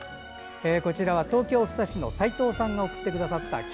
こちらは東京・福生市の齋藤さんが送ってくださった。